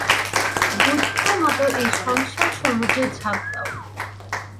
বুদ্ধের মত এই সংসার-সমুদ্রে ঝাঁপ দাও।